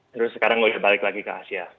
terus sekarang balik lagi ke asia